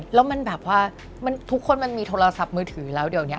แล้วทุกคนมันมีโทรศัพท์มือถือแล้วเดี๋ยวนี้